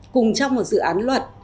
cùng trong một dự án luật